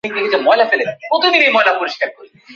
ওগো ঠাকুর, আমার সকল দুঃখ সার্থক হইয়াছে।